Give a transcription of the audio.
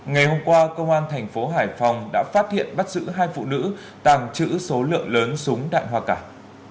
ngày hôm qua công an thành phố hải phòng đã phát hiện bắt giữ hai phụ nữ tàng trữ số lượng lớn súng đạn hoa cải